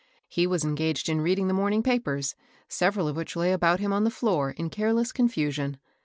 He was engaged in reading the morning papers, several of which lay about him on the floor in careless confusion.